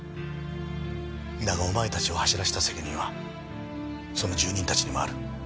だがお前たちを走らせた責任はその住人たちにもある。